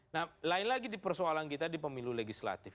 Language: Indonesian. nah lain lagi di persoalan kita di pemilu legislatif